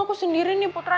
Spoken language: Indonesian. aku sendiri nih putra